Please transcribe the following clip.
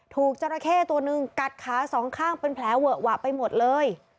จราเข้ตัวหนึ่งกัดขาสองข้างเป็นแผลเวอะหวะไปหมดเลย